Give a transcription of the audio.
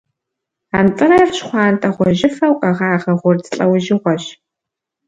Антӏырэр щхъуантӏэ-гъуэжьыфэу къэгъагъэ гъурц лӏэужьыгъуэщ.